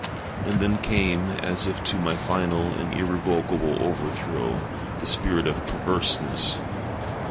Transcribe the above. And then came, as if to my final and irrevocable overthrow, the spirit of PERVERSENESS.